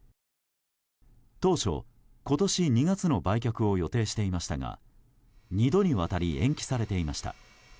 当初、今年２月の売却を予定していましたが２度にわたり延期されていました。